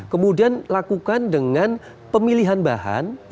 kemudian lakukan dengan pemilihan bahan yang benar benar